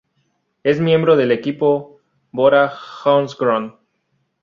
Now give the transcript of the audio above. Es miembro del equipo Bora-Hansgrohe.